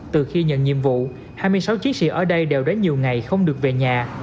từ khi nhận nhiệm vụ hai mươi sáu chiến sĩ ở đây đều đã nhiều ngày không được về nhà